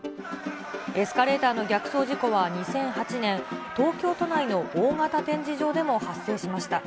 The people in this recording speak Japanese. エスカレーターの逆走事故は２００８年、東京都内の大型展示場でも発生しました。